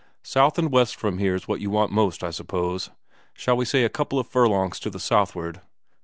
"South and west from here's what you want most, I suppose? Shall we say a couple of furlongs to the southward?"